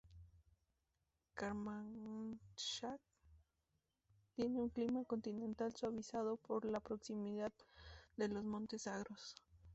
Kermanshah tiene un clima continental suavizado por la proximidad de los montes Zagros.